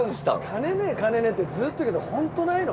金ねえ金ねえってずっと言うけどホントないの？